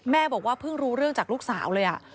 บอกว่าเพิ่งรู้เรื่องจากลูกสาวเลย